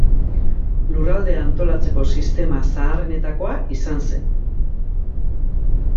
Lurraldea antolatzeko sistema zaharrenetakoa izan zen.